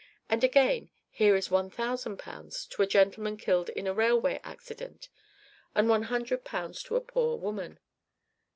And, again, here is 1000 pounds to a gentleman killed in a railway accident, and 100 pounds to a poor woman.